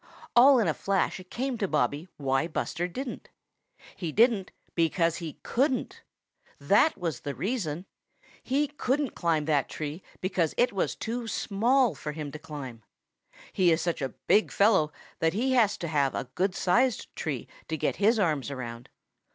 All in a flash it came to Bobby why Buster didn't. He didn't because he couldn't! That was the reason. He couldn't climb that tree because it was too small for him to climb. He is such a big fellow that he has to have a good sized tree to get his arms around.